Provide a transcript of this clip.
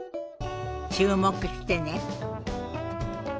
注目してね。